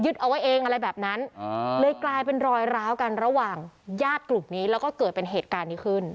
เอาไว้เองอะไรแบบนั้นเลยกลายเป็นรอยร้าวกันระหว่างญาติกลุ่มนี้แล้วก็เกิดเป็นเหตุการณ์นี้ขึ้น